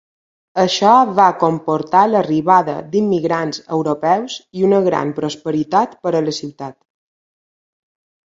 Això va comportar l'arribada d'immigrants europeus i una gran prosperitat per a la ciutat.